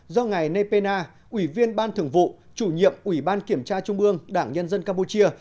do ngài nay pena ủy viên ban thường vụ chủ nhiệm ủy ban kiểm tra trung mương đảng nhân dân campuchia